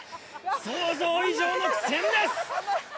想像以上の苦戦です。